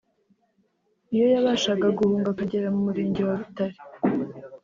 Iyo yabashaga guhunga akagera mu Murenge wa Rutare